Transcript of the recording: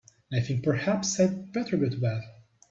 I think perhaps I'd better go to bed.